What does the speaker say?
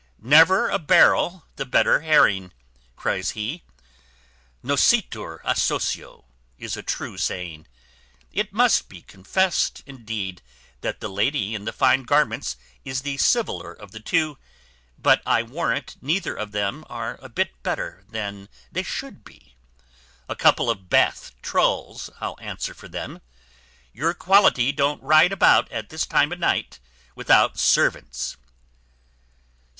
"Never a barrel the better herring," cries he, "Noscitur a socio, is a true saying. It must be confessed, indeed, that the lady in the fine garments is the civiller of the two; but I warrant neither of them are a bit better than they should be. A couple of Bath trulls, I'll answer for them; your quality don't ride about at this time o' night without servants."